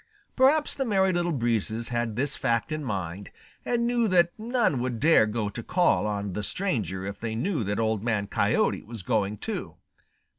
Perhaps the Merry Little Breezes had this fact in mind, and knew that none would dare go to call on the stranger if they knew that Old Man Coyote was going too.